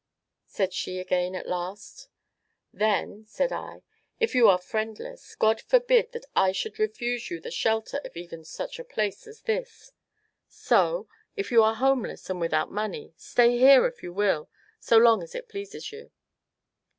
said she again at last. "Then," said I, "if you are friendless, God forbid that I should refuse you the shelter of even such a place as this so if you are homeless, and without money stay here if you will so long as it pleases you."